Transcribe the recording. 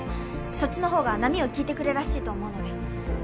そっちのほうが『波よ聞いてくれ』らしいと思うので。